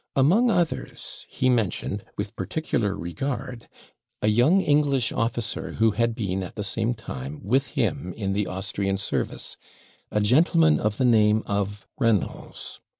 Among others he mentioned, with particular regard, a young English officer who had been at the same time with him in the Austrian service, a gentleman of the name of Reynolds.